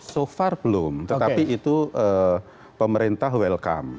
so far belum tetapi itu pemerintah welcome